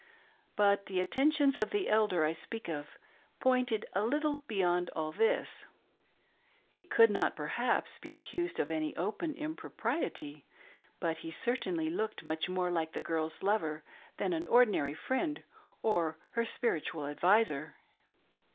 But the atten tions of the elder I speak of pointed a little beyond all this. He could not, perhaps, be accused of any open impropriety, but he certainly looked much more like the girl's lover than an ordinary friend or her spiritual adviser.